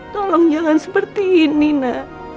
tolong jangan seperti ini nak